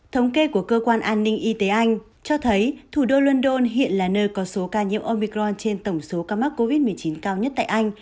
thống kê của cơ quan an ninh y tế anh cho thấy thủ đô london hiện là nơi có số ca nhiễm omicron trên tổng số ca mắc covid một mươi chín cao nhất tại anh